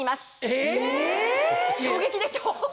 え⁉衝撃でしょ？